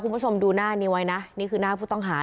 คุณผู้ชมดูหน้านี้ไว้นะนี่คือหน้าผู้ต้องหา